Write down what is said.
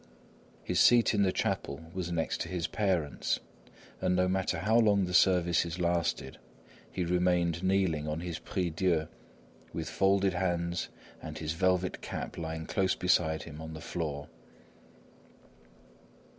His seat in the chapel was next to his parents, and no matter how long the services lasted, he remained kneeling on his prie dieu, with folded hands and his velvet cap lying close beside him on the floor.